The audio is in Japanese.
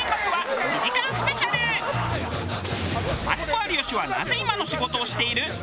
マツコ有吉はなぜ今の仕事をしている？